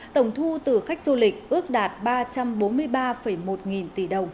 tổng thu từ khách du lịch ước đạt ba trăm bốn mươi ba một nghìn